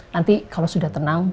nanti kalau sudah tenang